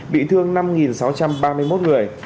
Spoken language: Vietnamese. bị thương năm sáu trăm ba mươi một người